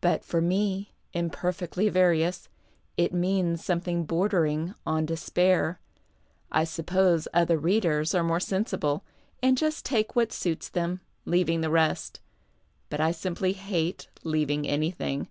But for me, imperfectly various, it means something bordering on despair. I suppose other readers are more sensible, and just take what suits them, leaving the rest. But I simply hate leaving anything.